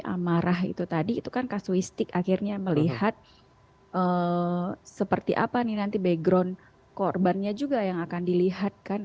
amarah itu tadi itu kan kasuistik akhirnya melihat seperti apa nih nanti background korbannya juga yang akan dilihat kan